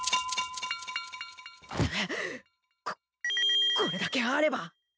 ここれだけあれば。